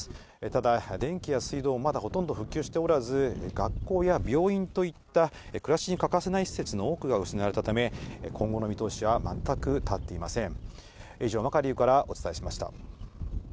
ただ、電気や水道、まだほとんど復旧しておらず、学校や病院といった暮らしに欠かせない施設の多くが失われたため、今後の見通しは全く立っていません。